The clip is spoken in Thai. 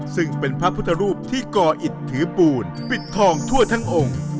ซึ่งเป็นพระพุทธรูปที่ก่ออิดถือปูนปิดทองทั่วทั้งองค์